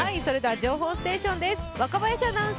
情報ステーションです。